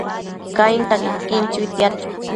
Cainta quequin chuitiad